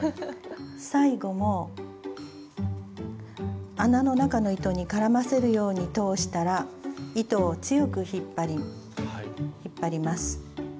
最後も穴の中の糸に絡ませるように通したら糸を強く引っ張ります。